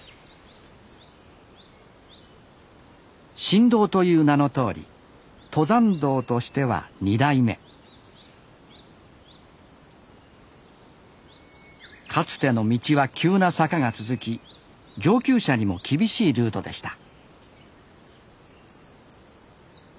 新道という名のとおり登山道としては２代目かつての道は急な坂が続き上級者にも厳しいルートでした